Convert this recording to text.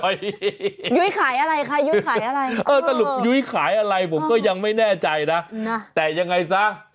ยุ้ยขายอะไรคะยุ้ยขายอะไรเออสรุปยุ้ยขายอะไรผมก็ยังไม่แน่ใจนะแต่ยังไงซะ